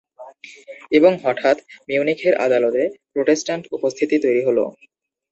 এবং হঠাৎ মিউনিখের আদালতে প্রোটেস্ট্যান্ট উপস্থিতি তৈরি হল।